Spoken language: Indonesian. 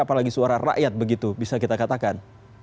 apalagi suara rakyat begitu bisa kita katakan